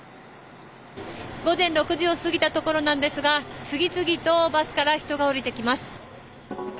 午前６時を過ぎたところなんですが次々とバスから人が降りてきます。